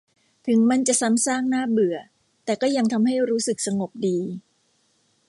ถึงมันจะซ้ำซากน่าเบื่อแต่ก็ทำให้รู้สึกสงบดี